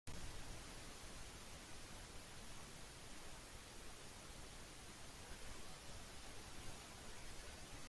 El edificio del viejo pósito fue remozado para albergar a las Casas Consistoriales.